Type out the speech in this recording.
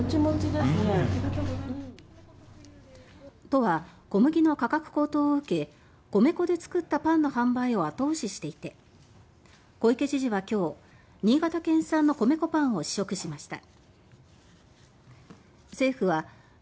都は、小麦の価格高騰を受け米粉で作ったパンの販売を後押ししていて小池知事は今日新潟県産の米粉パンを試食しました。